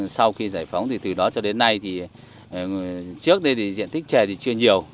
sau khi giải phóng thì từ đó cho đến nay thì trước đây thì diện tích chè thì chưa nhiều